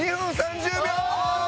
２分３０秒！